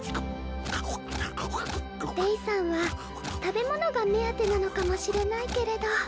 レイさんは食べ物が目当てなのかもしれないけれど